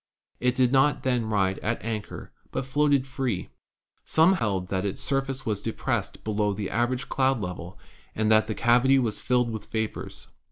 It did not then ride at anchor, but floated free. Some held that its surface was depressed below the average cloud level and that the cavity was filled with vapors.